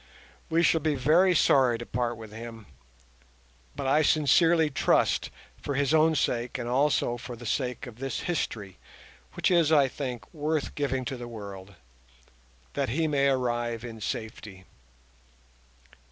we shall be very sorry to part with him; but I sincerely trust, for his own sake and also for the sake of this history, which is, I think, worth giving to the world, that he may arrive in safety.